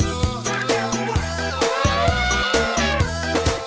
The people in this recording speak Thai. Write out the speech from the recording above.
เฮ่น้องช้างแต่ละเชือกเนี่ย